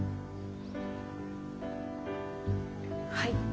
はい。